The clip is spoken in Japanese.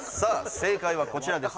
正解はこちらです